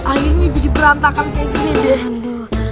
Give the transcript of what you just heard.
akhirnya jadi berantakan kayak gini deh